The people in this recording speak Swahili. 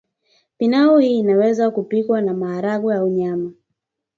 Pilau hii inaweza kupikwa na maharage au nyama tu